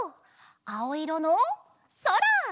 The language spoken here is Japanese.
あおいろのそら！